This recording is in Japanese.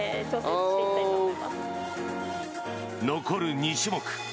残る２種目。